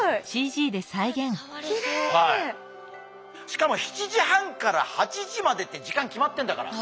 しかも７時半から８時までって時間決まってんだから。